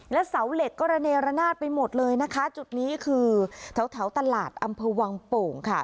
และเสาเหล็กก็ระเนระนาดไปหมดเลยนะคะจุดนี้คือแถวแถวตลาดอำเภอวังโป่งค่ะ